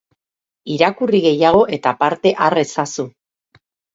Irakurri gehiago eta parte har ezazu!